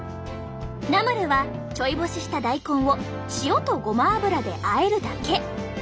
ナムルはちょい干しした大根を塩とごま油であえるだけ。